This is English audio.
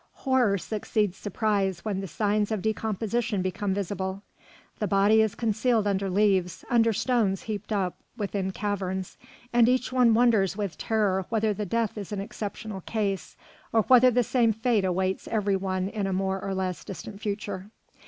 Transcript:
Horror succeeds surprise when the signs of decomposition become visible. The body is concealed under leaves, under stones heaped up within caverns, and each one wonders with terror whether that death is an exceptional case, or whether the same fate awaits every one in a more or less distant future.